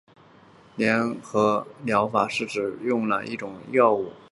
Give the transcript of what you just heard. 联合疗法是指使用了一种以上的药品的疗法。